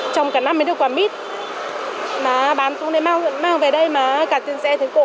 trong cả năm mới được quả mít mà bán túi này mang về đây mà cả tiền xe thế cổ